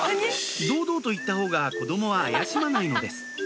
堂々と行ったほうが子供は怪しまないのです